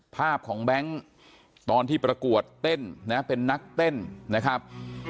ภาพของแบงค์ตอนที่ประกวดเต้นนะเป็นนักเต้นนะครับ